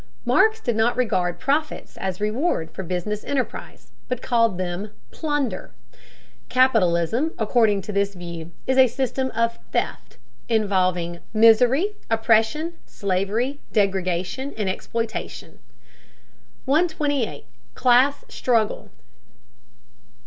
Marx did not regard profits as reward for business enterprise, but called them "plunder." Capitalism, according to this view, is a system of theft, involving "misery, oppression, slavery, degradation, and exploitation." 128. CLASS STRUGGLE.